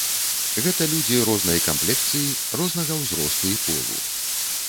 Гэта людзі рознай камплекцыі, рознага ўзросту і полу.